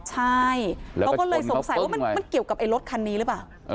ใช่เขาก็เลยสงสัยว่ามันเกี่ยวกับไอ้รถคันนี้หรือเปล่า